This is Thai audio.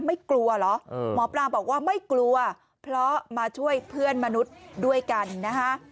ไม่กลัวเหรอหมอปลาบอกว่าไม่กลัวเพราะมาช่วยเพื่อนมนุษย์ด้วยกันนะคะ